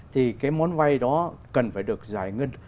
thì cái món vay đó cần phải được giải ngân